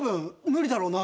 「無理だね」。